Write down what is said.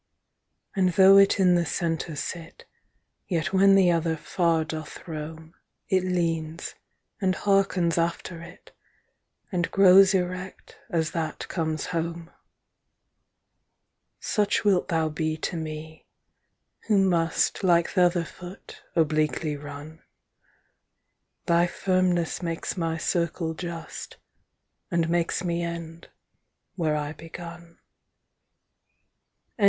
And though it in the center sit, Yet when the other far doth rome, 30 It leanes, and hearkens after it, And growes erect, as that comes home. Such wilt thou be to mee, who must Like th'other foot, obliquely runne; Thy firmnes makes my circle just, And makes me end, where I begunne.